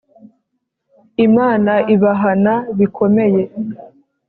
Imana ibahana bikomeye